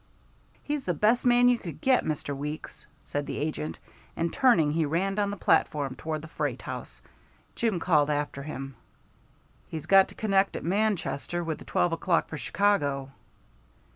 "He's the best man you could get, Mr. Weeks," said the agent, and turning, he ran down the platform toward the freight house. Jim called after him: "He's got to connect at Manchester with the twelve o'clock for Chicago."